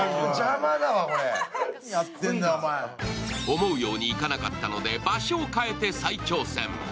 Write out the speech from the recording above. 思うようにいかなかったので、場所を変えて再挑戦。